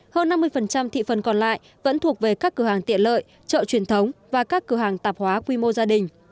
hơn năm mươi thị phần còn lại vẫn thuộc về các cửa hàng tiện lợi chợ truyền thống và các cửa hàng tạp hóa quy mô gia đình